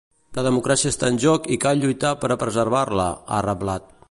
La democràcia està en joc i cal lluitar per a preservar-la, ha reblat.